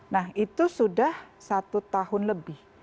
nah itu sudah satu tahun lebih